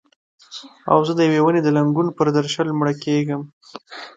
او زه د یوې ونې د لنګون پر درشل مړه کیږم